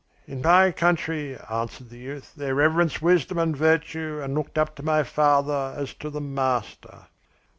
"'In my country,' answered the youth, 'they reverenced wisdom and virtue and looked up to my father as to the master.'